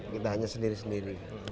kita hanya sendiri sendiri